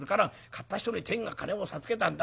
買った人に天が金を授けたんだ。